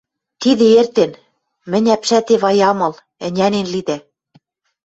Тидӹ эртен, мӹнь Ӓпшӓт Эвай ам ыл, ӹнянен лидӓ...